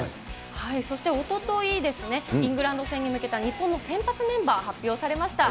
そしておととい、イングランド戦に向けた日本の先発メンバー、発表されました。